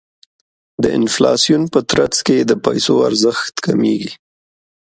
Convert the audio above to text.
د انفلاسیون په ترڅ کې د پیسو ارزښت کمیږي.